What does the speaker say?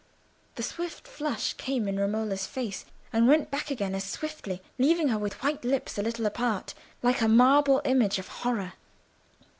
The swift flush came in Romola's face and went back again as swiftly, leaving her with white lips a little apart, like a marble image of horror.